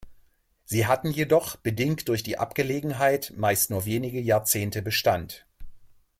Sie hatten jedoch, bedingt durch die Abgelegenheit, meist nur wenige Jahrzehnte Bestand.